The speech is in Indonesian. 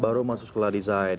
baru masuk sekolah design